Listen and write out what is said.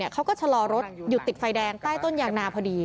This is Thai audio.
เขาก็ชะลอรถหยุดติดไฟแดงใต้ต้นยางนาพอดี